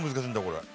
これ。